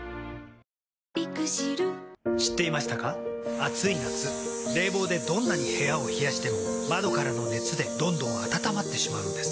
暑い夏冷房でどんなに部屋を冷やしても窓からの熱でどんどん暖まってしまうんです。